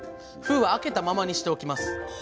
封は開けたままにしておきます。